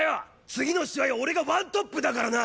次の試合は俺がワントップだからな！